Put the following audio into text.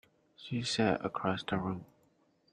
She sat across the room.